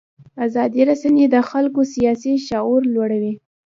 ازادې رسنۍ د خلکو سیاسي شعور لوړوي.